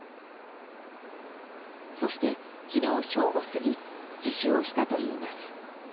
そして、昨日正午過ぎ自首をしたといいます。